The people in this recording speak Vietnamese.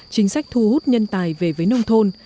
chính sách thu hút nhân tài về với nông thôn